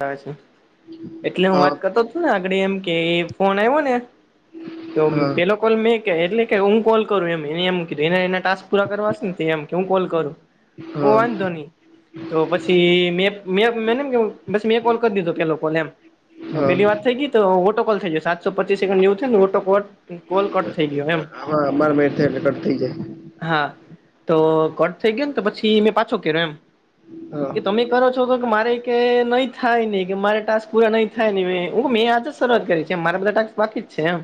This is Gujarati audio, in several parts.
હ એટલે હું હા વાત કરતો હતો ને આગળ એમ કે ફોન આવ્યો ને તો હા પેલો કોલ મેં ક એટલે કે હું કોલ કરું એમ એ એમ એના એના પાચ પૂરા કરવાશે ને એમ કે હું કોલ કરું હું હા વાંધો ની તો પછી મે મેં મેં એમ કે હુ બસ મેં એ કોલ કરી દીધો પેલો કોલ એમ તો હા પેલી વાત થઈ ગઈ તો ઓટો કોલ થઈ જાય સાત તો પચીસ સેકન્ડ જેવું થયુને ઑટો કોલ કોલ કટ થઈ ગયો એમ આમાં અમાર મેળ થાય એટલે કટ થઈ જાય હા તો કોટ થઈ ગયો ને તો પછી મેં પાછો કર્યૉ એમ હા કે તમે કરો છો તો કે મારે કે નહી થાયને કે મારા ટાસ્ક પૂરા નહી થાય ને મે હુ મેં આજ જ શરૂઆત કરી છે મારા બધા ટાસ્ક બાકી જ છે એમ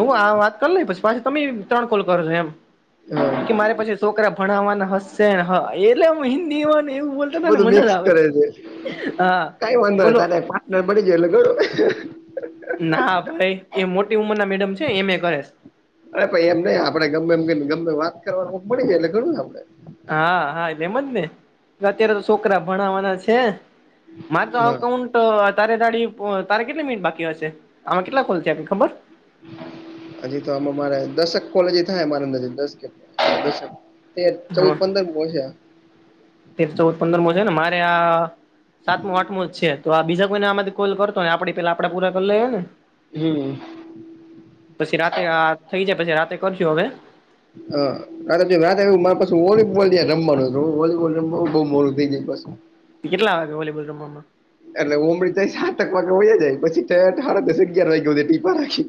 હું આ વાત કરી લઈ પછી પાછી તમે ત્રણ કોલ કરજો એમ હા. હા મારે પછી છોકરા ભણાવવાના હશે હા એટલે હિન્દી માં ને એવું બોલ બધું મિક્સ કરે છે કઈ વાંધો નહી બોલો તારૅ પાર્ટનર બની જાય એટલે ઘણું ના ભાઈ એ મોટી ઉંમર ના મેડમ છે એમ એ કરે છે અરે ભાઈ એમ નહી આપડે ગમે એમને ગમે વાત કરવાનું કોક મળી જાય એટલે ધણું છે આપડે. હા હા એટલે એમ જ ને અત્યારે તો છોકરા ભણાવવાના છે. મારે તો હા અકાઉન્ટ તારે દાડી તારે કેટલી મિનિટ બાકી હશે આમાં કેટલા કોલ થયા છેખબર. હજી તો આમાં મારે દશક કોલ જ થાય મારા અંદર દસ દક. તેર ચૌદ હા પંદર કોલ છે. તેર ચૌદ પંદર મો છે ને મારે આ. સાતમું આઠમું જ છે તો આ બીજા કોઈને આમાંથી કોલ કરતો આપડી પેલા આપડે પૂરા કરી લઈએ ને. હમ. પછી રાતે આ થઈ જાય પછી રાતે કરશું હવે. હા. અરે વાત એવી મારે પાછું વોલીબોલ રમવાનું વોલીબોલ રમવા બહુ મોડું થઈ જાય પાછું કેટલા આવે છે વોલીબોલ રમવામાં. એટલે ઉમડી થઇ સાતક વાગે હોય જાય પછી ઠેઠ સાડા દશ અગિયાર વાગ્યે સુધી ટીપા રાખી.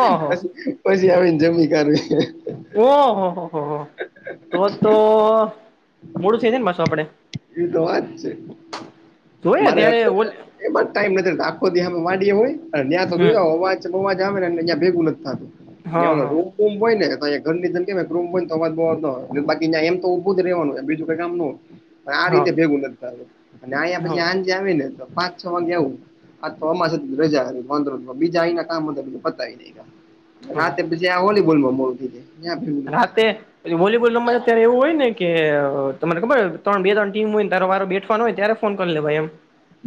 ઓહો પછી પછી આવીને જમી કરીએ ઓહ હો હો હો તો તો મોડું થઈ જાયનેં પાછું આપડે. ઈ તો વાત છે. જોય મારે ત્યારે એટલે ઓલ એમાં જ ટાઈમ નથી આખો દી આમ વાડીએ હોય અને ન્યા તો હમ જોઈ આવો આવજ બઉ આવાજ આવે ને ભેગું નથી થતું ન્યાં હા ઓલા હા રૂમ કુંભય ને તો અં ઘરની જે કે કુંભ હો તો અવાજ બવજ ના આવે હતો બાકી એમ તો ઉભું જ રહેવાનું બીજું કઈ કામ ન હોય. પણ આ હા રીતે ભેગું નથી થતું અને અયા હા પછી આજે આવી ને તો પાંચ છ વાગે આવું. આ ચોમાસ રજા હતી બીજા આઇના કામ બધા પતાવી. દીધા હા રાતે પછી આ વોલીબોલ માં મોડું થઈ જાય ન્યા ભેગું નથી થતું. રાતે. વોલીબોલ રમવામાં અત્યારે એવું હોય ને કે તમને ખબર ત્રણ બે ત્રણ ટીમ હોયને તારો વારો બે. ફોન હોય ત્યારે ફોન કરી લેવાય એમ.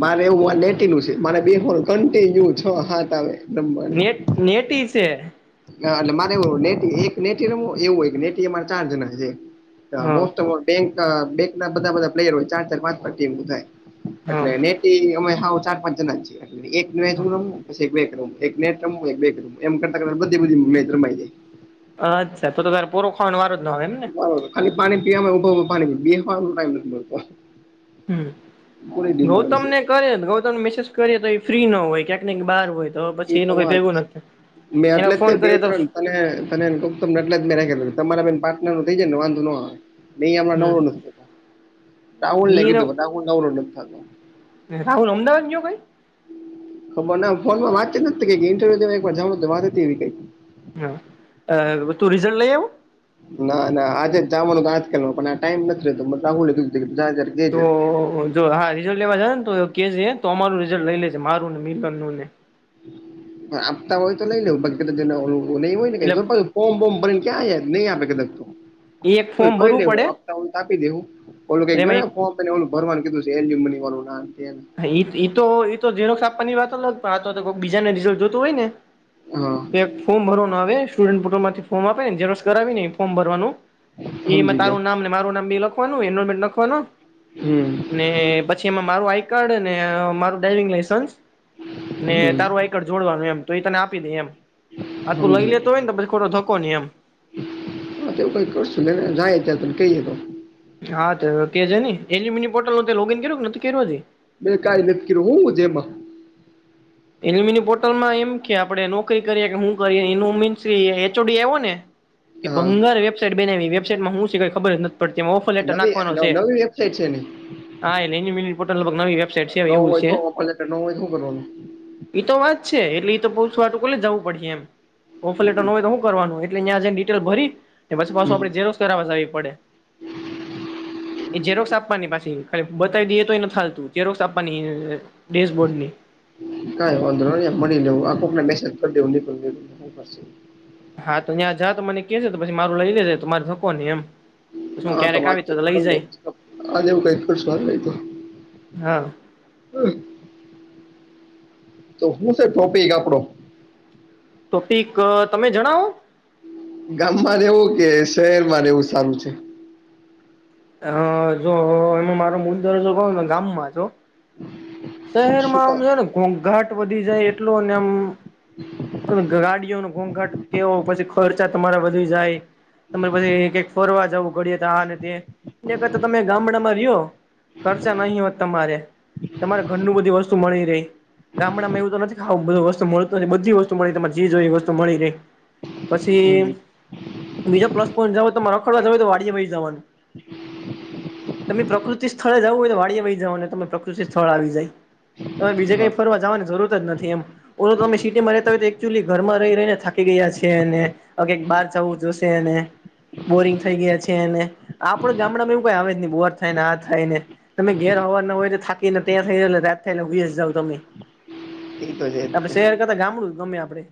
મારે એવું લેટીનું છે મારે બેહવાનું કન્ટિન્યુ છ હાત આવે. નેટ નેટી છે. હ એટલે મારે ને એક નેટી રમ એવું નેટી અમારે ચાર જણા છે. હા બેંક ના બેંક ના બધા બધા પ્લેયર હોય ચાર ચાર પાંચ ટીમ થાય. હા એટલે ને અમે હ ચાર પાંચ જણા છીએ એટલે એક મેચ હું રમુ એક નેટ રમુ એક મેચ રમુ એમ કરતાં કરતાં બધી મેચ રમાઇ જાય. અચ્છા તો તારે પ પોરો ખાવાનું વારો જ ન આવે એમ ને? ખલી પાણી પીવામાય ઊભા ઊભા પાણી પી નોય ટાઇમ નથી મળતો. હમ પૂરી ડિમાન્ડ ગૌતમ છે ને કરીએ ગૌતમ મેસેજ કરીએ તો ફ્રી ન હોય ક્યાંક ક બહાર હોય. તો એ પછી એનું કોઈ વાત ભેગું નથી એના ફોન કરીએ તો અને તને ને ગૌતમ ને એટલે જ મે રાખે તમારા બે ના પાર્ટનર નું થઈ જાય ને વાંધો ન આવે. ને એ હમણાં હમ નવરો નથી રાહુલ ને એનો કીધું રાહુલ નવરો નથી થતો. રાહુલ અમદાવાદ ગયો ભઇ? ખબર ના ફોનમાં વાત નથી થઈ ઇન્ટરવ્યુ દેવા એક વાર જવાનું હતું વાત હતી એવી કંઇક. હા તું રિઝલ્ટ લઈ આવું? ના ના આજે જવાનું આજ કાલ નું પણ આ ટાઈમ નથી રહેતો રાહુલ ને કીધુ તો જો હા રિઝલ્ટ લેવા જ ને તો કે છે તો અમારું રિઝલ્ટ લઈ લેજ મારું ને મિલન નુંને આપતા હોય તો નઈ લેવ બાકી તો નહી હોય ને એટલે કઈ. ફોમ બોમ ભરીને ક્યાં નહીં આપે કદાચ તો. એ એક તો ફોર્મ જોઈ ભરવું પડે લેવું આપતા એટલે હો તો આપી દેવું ઓલું કઈક એમાં જોયું ફોમ એટલે ઓલું ભરવાનું કીધું છે એલમની વાળું આને તે. તો એ તો જેરોક્ષ આપવાની વાત અલગ પણ આ તો બીજાને રિઝલ્ટ જોતું હોય ને હા તો એક ફોરમ ભરવાનું આવે સ્ટુડન્ટ પ્રોટલ માંથી ફોર્મ આપે ને ઝેરોક્ષ કરાવી ને ફોર્મ ભરવાનું. એ સમજી ગયો તારું નામ મારું નામ લખવાનું એલમેન્ટ લખવાનું હમ પછી પછી એમાં મારું આઈ કાર્ડ અને મારું ડ્રાઈવિંગ લાઈસન્સ ને હમ તારું આઈ કાર્ડ જોડવાનું એમ. તો એ તને આપી દે એમ આ તું લઈ સમજી લેતો ગયો હોય ને પછી ખોટો ધકો નહી એમ. હા એવું કઈ કરશું નેને જાય ત્યાં ત કઈએ તો. હા તો કે જે ને એ મિની પોર્ટલ ન લોગીન કર કે નથી કર્યું હજી? મે કઈ નથી કર્યું હું છે એમાં? એલમીની પોર્ટલમાં એમ કે આપડે નોકરી કરીએ કે હું કરીએ એનો મીન્સ એચઓડી આવો ને હા ભંગાર વેબસાઈટ બનાવી વેબસાઈટ માં હું સે કાઈ ખબર જ નથી. પન તેમાં ઓફર લેટર નવી નાખવાનો છે. નવી વેબસાઇટ છે ને હા એટલે મિની પોર્ટલ લગભગ નવી વેબસાઇટ છે એવું છે કંઇક. નો હોય તો સુ કરવાનું? એ તો વાત છે એટલે તો પોસવા હાતું કોલેજ જવું પડે એમ ઓફર લેટર ન હોય તો હું કરવાનું? એટલે નયા જઈ ડિટેલ ભરી પછી પાછું હમ આપણે ઝેરોસ કરાવવા જવી પડે. [inaudible] એ જેરોક્સ આપવાની પાછી ખાલી બતાવી દઈએ તો નથી હાલતું જેરોક્સ આપવાની ડેશબોર્ડ ની. કઈ વાંધો ન મળી લેવું આ કોકને મેસેજ કરી દેવું નીકળ. હા તો ત્યાં જા તો મને કે છે તો પછી મારું લઈ લેજે તો મારે ધક્કો નઈ એમ. પછી હું હા તો ક્યારેક વાત આવી છે લઈ જાય આજ એવું કઈક કર્સુ હલને તો. હા. તો હું છે ટોપિક આપડો. ટોપિક આ તમે જણાવો. ગામમાં રહેવું કે શહેર માં રહેવું સારું છે? હ જો એમાં મારો મુલદરો ક ગામમાં જ હો. શું શહેરમાં આમ કામ છે ને ઘોઘાટ વધી જાય એટલું ને આમ ગાડીઓ ન ઘોંઘાટ કેવો પછી ખર્ચા તમારા વધી જાય. તમારે પછીક ફરવા જવું ઘડીએ આને તે એના કરતા તમે ગામડા માં રયો. ખર્ચા નહી હોત તમારે તમારે ઘર નું બધી વસ્તુ મળી રહી ગામડામાં એવું તો નથી ખ આવું બધું વસ્તુ મળતું જ હોય બધી વસ્તુ મળી તમારે જી જોઈ એ વસ્તુ મળી રહે. પછી હમ બીજા પ્લસ પોઈન્ટ જાવ તો મારા ખોડો જવ તો વાડીયે ભાઈ જવાનું. [inaudible] તમે પ્રકૃતિ સ્થળે જવુ હોય તો વાડીયે ભાઈ જવાનું તમે પ્રકૃતિ સ્થળ આવી જાય. તમે બીજે કઈ હા ફરવા જવાની જરૂરત જ નથી એમ ઓ તમે સિટીમાં રહેતા હોય તોલી ઘરમાં રહી રહીને થા કી ગયા છે એ ને આ કઈક બહાર જવું જોશે એ ને બોરિંગ થઈ ગયા છે એને પણ ગામડામાં એવું કઈ આવે જ ને બોહર થાય ને આ થાય ને તમે ઘેર હવાર ના હોય તો થાકી ને ત્યાં થઈલે રાત થાયને હુઈ જાવો તમે. એ તો છે જ આપડે તે શહેર કરતા ગામડું જ ગમે આપડે.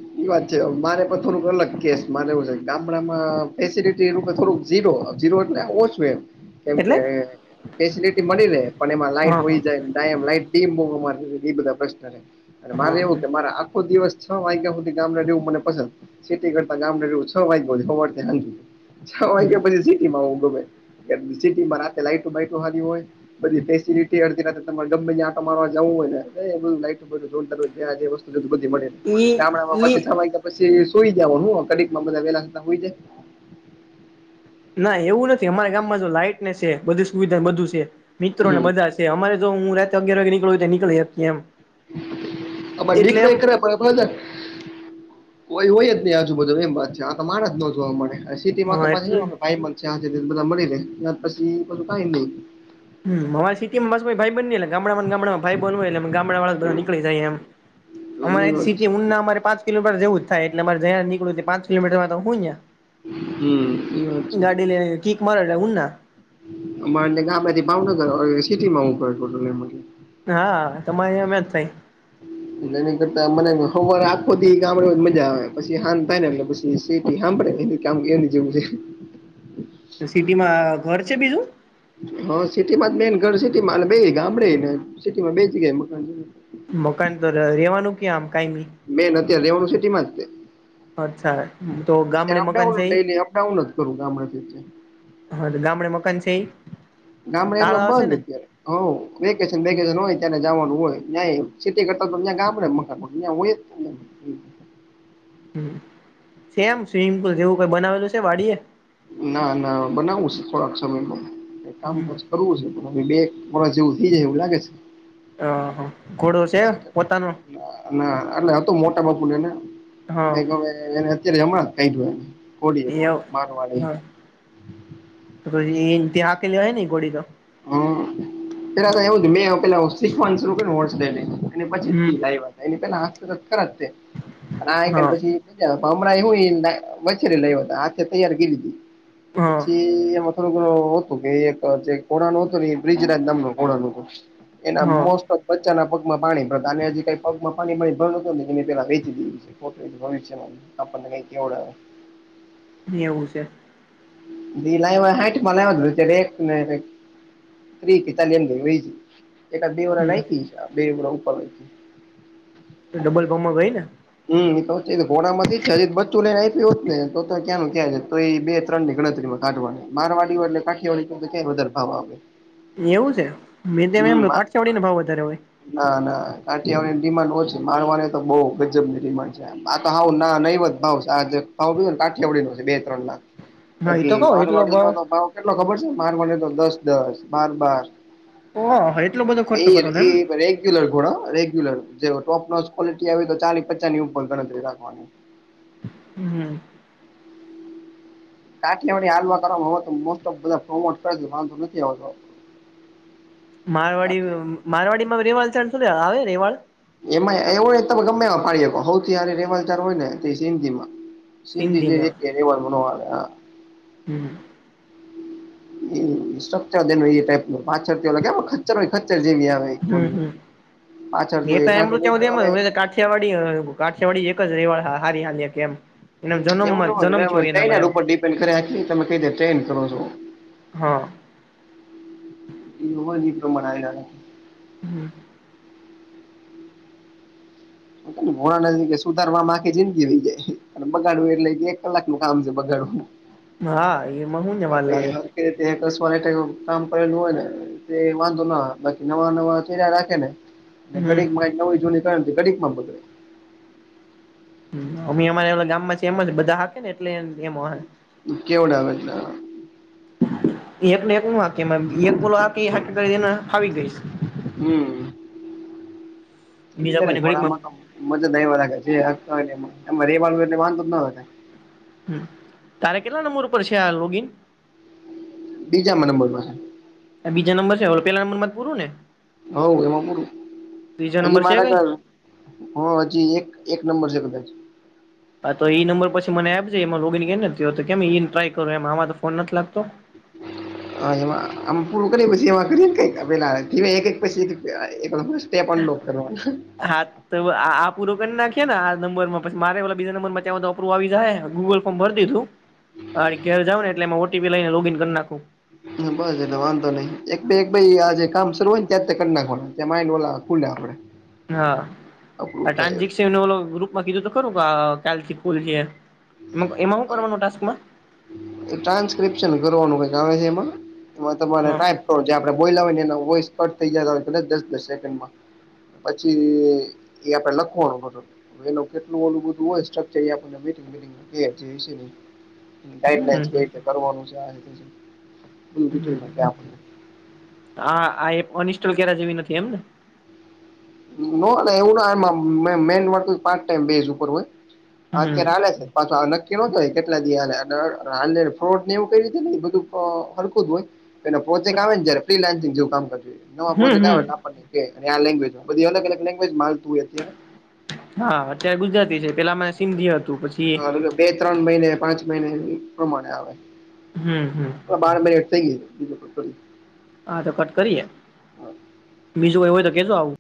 હાચી વાત છે આ મારે પણ થોડુંક અલગ કેસ માને એવું છે ગામડામાં ફેસલટી થોડુંક ઝીરો ઝીરો એટલે ઓછું એમ. કેમ કે એટલે ફેસિલટી મળી લે પણ એમાં લાઈટ હા હોય હા જાય કાયમ લાઈટ એ બધો મારે એ બધા પ્રશ્ન હે અને હા મારે એવું હા કે મારે આખો દિવસ છ વાગ્યા હુધ તે ગામડા રેવું મને પસંદ સે તે કરતા ગામરડુ છ [unintelligible] હવાર ને હાંજે. છ વાગ્યા પછી સીટીમાં હું તો મે કે સિટીમાં રાતે લાઈટ બાઈટો હારી હોય. બધી ફેસિલટી અરડે ન તમે ગમે ત્યાં આંટા મારવા જવું હોય ને એટલે બધું [unintelligible] ત્યાં જે વસ્ત તો તો બધી મળે. એ એ નવ વાગ્યા પછી સુઈ જવો હું આમ કડીકમાં બધા વેલા થતા હુંઈ જાય. ના એવું નથી અમારા ગામમાં લાઈટ ને છે બધી સુવિધા બધું છે મિત્રોને હમ. બધા છે અમારે જો હું રાત્રે અગયાર વાગે નીકળું હોય તો એ નીકળે એ કેમ. અમારે નીકળે [unintelligible] પણ બધા કોઈ હોય જ નહી આજુબજુ એમ વાત છે આ તો મારા જ ન જોવા મળે [unintelligible] સિટીમાં તો હા પછી એટલે [unintelligible] ભાઈ મળશે હાંજે બધા મળી લે પછી એ બધું કઈ નહી. હમ્મ અમારી સિટીમાં બસ ભાઈ બની ગામડામાં ને ગામડામાં ભાઈ બન હોય એટલે ગામડા વાળા નીકળી જાય એમ. [unintelligible] અમારે એ અહીંયા વાત છે સીટી હું ના મળે પાંચ કિલો પર જવું જ થાય એટલે મારે જ્યાં નીકળું તે પાંચ કિલોમીટરમાં તો હુઈ યા. હમ. એ વાત છે ગાડી લઈને કિક મારે તો [unintelligible] અમાને ગામમાંથી ભાવનગર હવે સિટીમાં હું [unintelligible] હા તમારે અહીંય [unintelligible] થાય. એટલે એની કરતા મને હવારે આખો દી ગામડે જ મજા આવે પછી હાંજ થાય ને એટલે પછી તે સીટી સાંભળે એ કામ કે જેવું છે. તે સિટીમાં ઘર છે બીજું. હા સિટીમાં જ મેન ઘર છે તે માલ બે ગામડેને સિટીમાં બે જગ્યા મકાન છે ને. મકાન તો રેવાનું કે આમ કઈ ની. મેન અત્યારે રેવાનું સિટીમાં તે. અચ્છા તો ગામડે અત્યારે મકાન અપડાઉન છે ઈ. ડેલી અપડાઉન જ કરું ગામડેથી જ હા તો ગામડે મકાન છે ઈ ગામડે તાળ એમને આવશે બંધ ને અત્યારે હ વેકેશન વેકેશન હોય. ત્યારે જવાનું હોય ત્યારે સિટી કરતા તો અહીંયા ગામડે મકાનો હોય અહીંયા હોય જ હમ્મ જેમ સ્વિમિંગ પુલ જેવું કઈ બનાવેલું છે વાડી એે. ના ના બનાવું છું થોડાક સમયમાં કામ પછી કરવું છે તો બે વરસ જેવું થઇ જાય એવું લાગે છે. અ હા. ના એટલે તો મોટા બાપુ લેને હા કંઈક હવે ને એને અત્યારે હમણાં કઈ [unintelligible] અહિયોવ હા તો તો પછી ત્યાં આ કે લવાય ને ઈ ગોળી તો. હા પેલા તો એવું જ મેં પેલા શીખવાનું શરૂ કરું [unintelligible] એ ના પછી હમ ટેલાય આવા. એની પેલા હાથ તો તો ખર તે આના આઈ તેન હા પછી મજા હમણાં એવુ હું મછરી લાયવો તો હાથે તૈયાર કરી હતી હા પછી થોડું ઘણુ હતું કે એક ઘોડા નું હતું એ બ્રિજરાજ નામ ના ઘોડાનું હતું. એના હા મોસ્ટ ઓફ બચ્ચાના પગમાં પાણી ભણતા અને હજુ કઈ પગમાં પાણી મળ ભણુંને એ પેલા વેચી દીધી છે. પોતે જ ભવિષ્યવાની આપણ ને કઈ કેવડાવે. એવું છે. દી લાઇવા હાઈટ માને ત્યારે એક [unintelligible] ત્રી કે ચાલી એમ વહિ ગઈ એકાદ બે વરસ હમ રાયખી બે વરસ ઉપર વહી ગય. તો ડબલ ભાવ માં ગઈ ને હમમ તો જે ઘોડા માંથી જ હજી બચ્ચુ ને રાયખી હોત ને તો ક્યાનું ક્યા તો એ બે ત્રણ ની ગણતરી હોત કાઢવાની મારવાડી હોય એટલે કાઠિયાવાડી ક્યાય વધારે ભાવ આવે. એવું છે મેં તો હમ એમ કાઠિયાવાડી નો ભાવ વધારે હોય. ના ના કાઠિયાવાડી ની ડિમાન્ડ ઓછી મારવાડી ની તો બો ગજબ ની ડિમાન્ડ છે. આ તો હાવ ના નહીવત ભાવ છે. આ ભાવ કીધું ને કાઠીયાવાડી નો ભાવ છે બે ત્રણ લાખ. હા એ બાકી તો કઉ એટલો મારવાડી નો ભાવ કેટલો ખબર છે મારવાડીનો દસ, દસ, બાર, બાર ઓહો એટલો બધો ખર્ચો એ કરવાનો એમ. એ રેગ્યુલર ઘોડો હા રેગ્યુલર જે ટોપ મોસ્ટ ઘોડો આવે તેની ચાલી પચાની ઉપર ગણતરી રાખવાની. હમમ. કાઠીયાવાડી હાલમાં કરવામાં હો તો મોસ્ટ તો બધા પ્રોમોટ કરે છે વાંધો નથી આવતો. મારવાડી કાઠિયાવાડી મારવાડીમાં રેવાડ છે. શું આવે રેવાડ? એમાં એવું હોય તમે ગમે પાડી હકો થી રેવાલચાર હોય ને તો એ સિંધી માં સિંધી જેવી સિંધીમાં એકે રેવલ ન આવે હા. હમમ. ઈ સાપચા ઈ ટાઈપ ની પાછળ ઓલા ખચ્ચર હોય ખચ્ચર જેવી આવે. હમમ ઘોડીઓ. હમમ એ તો પાછળથી એમ ઠાઠું કા નીચું આવે વા [unintelligible] કાઠિયા કાઠિયાવાડી અ કાઠિયાવાડી એક જ રેવા હારી હાલી હકે એમ. એના એવું જન્મમાં ન જન્મ હો થયો એનામાં ટ્રેનર એમ ઉપર ડિપેન્ડ કરે આ તમે કઈ રીતે ટ્રેન કરો છો. હા. એ દીપ રી તો મનાય જા રહા. હમમ. ખાલી ભણા નથી સુધારવા માં આખી જિંદગી વહી જાય. અને બગાડવું એટલે એક કલાક નું કામ છે બગાડવું. હા એમાં શું ને વાર લાગે. કે કામ કરેલું હોય ને વાંધો ના આવે બાકી નવા નવા ચહારા રાખેને અને હમ ઘડીક માં નવી જોની કારણ થી ઘડીક માં બગડે. અમે અમારે ગામમાં છે એમ બધા હાકે ને એટલે એમ અહે. કેવો ગામે આવેટલે. એકને એક નો હાકે એમ એક ઓલો હાકે એને ફાવી ગઈશ છે. હમમ બીજા એટલે કોઈને ઘોડા ઘડીકમાં માં તો મજા ડઈ વાખે છે રેવાનું હોય એટલે વાંધો ન આવે હો. હમમ. તારે કેટલા નંબર ઉપર છે આ લોગીન. બીજા માં નંબર ઉપર આ બીજો નબર છે, પેલા નંબરમાં પૂરા ને. હવ એમાં પૂરું ત્રીજા હજી નંબર છે મારા ક કઈ હા, હજી એક એક નંબર છે કદાચ. હા, તો એઈ નંબર પછી મને આપજો. એમાં લોગિન નથી, કેમ? ટ્રાય કરો એમ આમાં તો ફોન નથી લાગતો. [inaudible] હા એમાં આ પૂરું કરયે પછી એમાં કરીએ કઈક પેલા ધી એક એક પછી એક તે પણ ડોક્ટર હોય. હાથ તો આ પૂરો કરી નાખીએ ને આ નંબરમાં પછી મારે પેલા બીજા નંબરમા અપ્રુવ આવી જાહે ગૂગલ ફોર્મ ભર દીધું. હ ઘેર જાવ ને એટલે એમાં ઓટીપી લઈને લોગીન કરી નાખું. હ બસ એટલે વાંધો નહીં. એકાઈ આજ કામ શરૂ હોય ને ત્યાં કરી નાખવાનું, ત માઇન્ડ ખુલ હ. હા, ટ્રાન્ઝેકશન ઓ ગ્રુપમાં કીધું તો ખરું કાલથી ખુલે છે. એમાં શું કરવાનું ટાસ્ક માં? ટ્રાન્સ્ક્રિપ્શન કરવાનું કંઈક આવે છે, એમાં એમાં તમને હા ટાઈપ જે આપણે બોઈલા હોય ને, વોઈસ કટ થઈ જાય દસ-દસ સેકન્ડમાં. પછી એ આપડે લખવાનું બધું. હ, કેટલું ઓલું બધુ હોય એને. હમ રી કરવાનું [unintelligible] બિટેલ આપને. હા, આ અનિસ્ટોલ કરી જેવી નથી એમ ને? ના, એવું ના. એમાં મેન પાચ ટાઈમ બેઝ ઉપર હોય, હમ અત્યારે ચાલે છે. પાછું નક્કી નતો હોય કેટલા ફ્રોડ, એવું કઈ રીતે ને? બધું હલકું જ હોય. તો એ પ્રોજેક્ટ આવે જાય, ફ્રીન્સિંગ જે કામ કર નવા હમ પ્રોજેક્ટ હમ આવે આપણે આવે જ. બધી અલગ-અલગ લેંગ્વેજ માતું હોય અત્યારે. હા, અત્યારે ગુજરાતી છે. પેલા મને સિંધી હતું, પછી બે-ત્રણ મહિને, પાંચ મહિને પ્રમાણે આવે. હમ, હમ. બાર મિનિટ તેર. હા, તો કટ કરીએ. બીજું કંઈ હોય તો કેજો આવું.